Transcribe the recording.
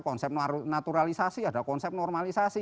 konsep naturalisasi ada konsep normalisasi